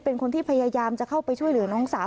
เป็นคนที่พยายามจะเข้าไปช่วยเหลือน้องสาว